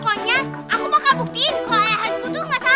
pokoknya aku bakal buktiin kalau ayahku itu nggak salah